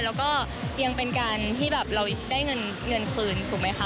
และก็ยังเป็นการได้เงินคืนถูกไหมคะ